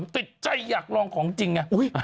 ติดใจอยากลองของจริงไง